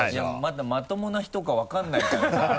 まだまともな人か分からないからさ。